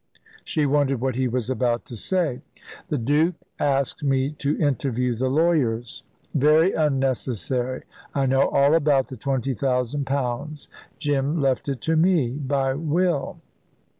She wondered what he was about to say. "The Duke asked me to interview the lawyers." "Very unnecessary. I know all about the twenty thousand pounds. Jim left it to me, by will."